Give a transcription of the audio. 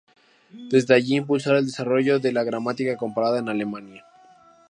Desde allí impulsará el desarrollo de la gramática comparada en Alemania.